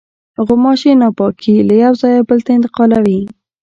غوماشې ناپاکي له یوه ځایه بل ته انتقالوي.